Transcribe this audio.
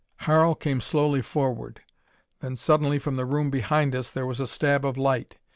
Harl came slowly forward. Then suddenly from the room behind us there was a stab of light.